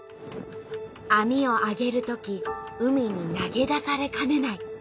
網をあげるとき海に投げ出されかねない。